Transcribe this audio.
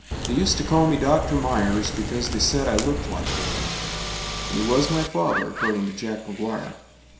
They used to call me "Doctor Meyers," Because, they said, I looked like him. And he was my father, according to Jack McGuire.